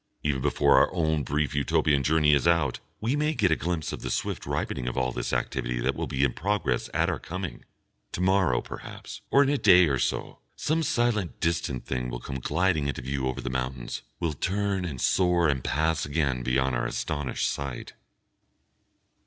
Even before our own brief Utopian journey is out, we may get a glimpse of the swift ripening of all this activity that will be in progress at our coming. To morrow, perhaps, or in a day or so, some silent, distant thing will come gliding into view over the mountains, will turn and soar and pass again beyond our astonished sight....